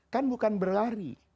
kan bukan berlari